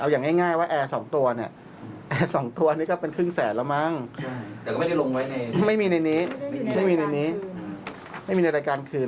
แต่ก็ไม่ได้ลงไว้ไม่มีในนี้ไม่มีในนี้ไม่มีในรายการคืน